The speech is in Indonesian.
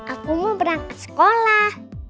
aku mau berangkat sekolah